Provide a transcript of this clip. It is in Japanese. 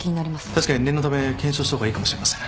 確かに念のため検証した方がいいかもしれません。